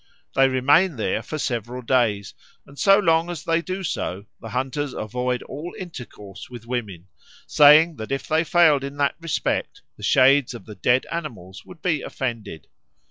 They remain there for several days, and so long as they do so the hunters avoid all intercourse with women, saying that if they failed in that respect the shades of the dead animals would be offended.